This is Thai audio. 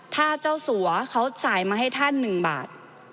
ถ้าเจ้าสัวเขาจ่ายมาให้ท่าน๑บาท